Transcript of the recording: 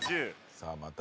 さあまた。